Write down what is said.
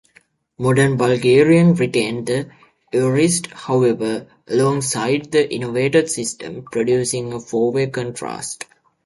Modern Bulgarian retained the aorist, however, alongside the innovated system, producing a four-way contrast.